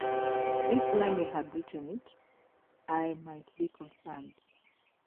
If Lemmy had written it, I might be concerned.